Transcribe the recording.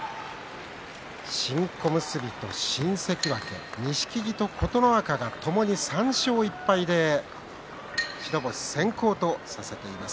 新小結と新関脇錦木と琴ノ若ともに３勝１敗で白星先行となっています。